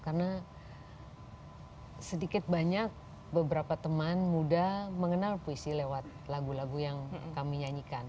karena sedikit banyak beberapa teman muda mengenal puisi lewat lagu lagu yang kami nyanyikan